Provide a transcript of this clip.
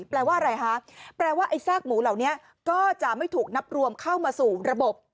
แปลว่าอะไรคะแปลว่าไอ้ซากหมูเหล่านี้ก็จะไม่ถูกนับรวมเข้ามาสู่ระบบ